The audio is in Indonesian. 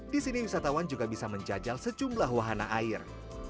di sini wisatawan juga bisa menjajal sejumlah wahana air